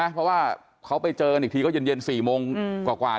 เพราะว่าเขาไปเจอกันอีกทีก็เย็น๔โมงกว่า